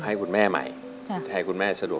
อเรนนี่คือเหตุการณ์เริ่มต้นหลอนช่วงแรกแล้วมีอะไรอีก